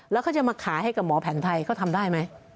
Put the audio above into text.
แล้วเขาจะมาขายให้กับหมอแผนไทยเขาทำได้ไหม